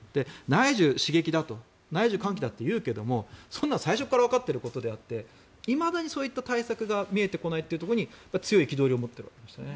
内需喚起、内需刺激だと言うけれどもそんなのは最初からわかっていることであっていまだにそういった対策が見えてこないところに強い憤りを持っているわけですね。